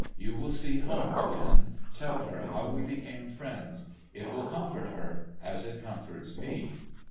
You will see Home again. Tell her how we became friends. It will comfort her, as it comforts me.'